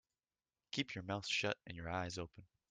Keep your mouth shut and your eyes open.